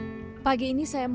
assalamualaikum gimana keadaanmu